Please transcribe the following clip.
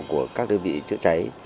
của các đơn vị chữa cháy